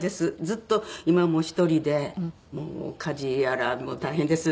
ずっと今も１人でもう家事やら大変です。